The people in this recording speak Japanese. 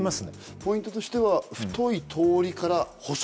ポイントとしては太い通りから細くなる。